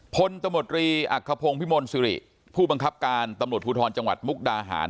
พลตมตรีอักขพงศ์พิมลสิริผู้บังคับการตำรวจภูทรจังหวัดมุกดาหาร